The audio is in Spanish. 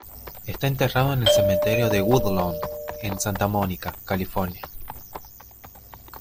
Está enterrado en el cementerio de Woodlawn en Santa Mónica, California.